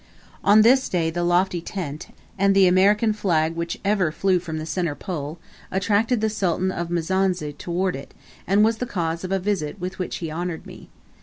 On this day the lofty tent, and the American flag which ever flew from the centre pole, attracted the Sultan of Mizanza towards it, and was the cause of a visit with which he honoured me.